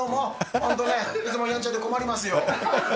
本当ね、いつもやんちゃで困りますよ。